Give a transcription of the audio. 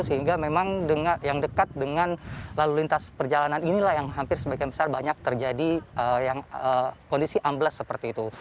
sehingga memang yang dekat dengan lalu lintas perjalanan inilah yang hampir sebagian besar banyak terjadi kondisi ambles seperti itu